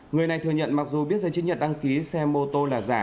người này thừa nhận mặc dù biết giấy chứng nhận đăng ký xe mô tô là giả